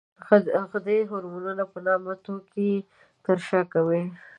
غدې د هورمون په نامه توکي ترشح کوي.